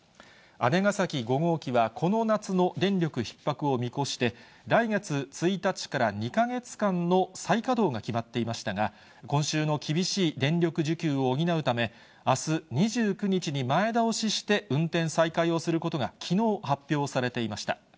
姉崎５号機は、この夏の電力ひっ迫を見越して、来月１日から２か月間の再稼働が決まっていましたが、今週の厳しい電力需給を補うため、あす２９日に前倒しして、運転再開をすることが、きのう発表されていました。